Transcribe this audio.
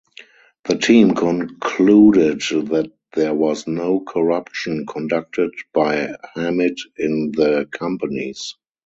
The team concluded that there was no corruption conducted by Hamid in the companies.